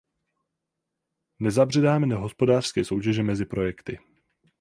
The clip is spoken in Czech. Nezabředáme do hospodářské soutěže mezi projekty.